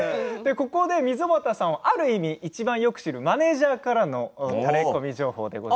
ここで溝端さんをある意味いちばんよく知るマネージャーさんからタレコミ情報です。